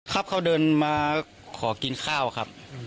ครับเขาเดินมาขอกินข้าวครับ